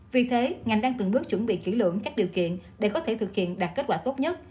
vì thế ngành đang từng bước chuẩn bị kỹ lưỡng các điều kiện để có thể thực hiện đạt kết quả tốt nhất